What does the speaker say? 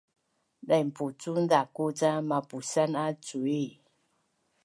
dainpucun zaku ca mapusan a cui